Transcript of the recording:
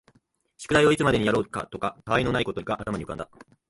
宿題をいつまでにやろうかとか、他愛のないことが頭に浮んだ